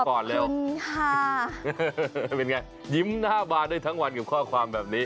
เป็นไงยิ้มหน้าบานได้ทั้งวันกับข้อความแบบนี้